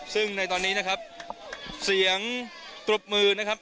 ซึ่งในตอนนี้นะครับเสียงปรบมือนะครับ